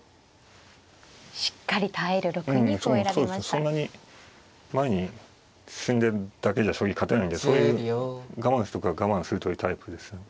そんなに前に進んでるだけじゃ将棋勝てないんでそういう我慢するとこは我慢するというタイプですね。